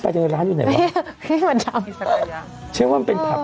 ชมโกเกียวเหรอ